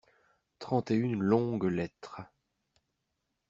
Trente et une longues lettres.